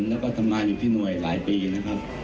แล้วก็ทำงานอยู่ที่หน่วยหลายปีนะครับ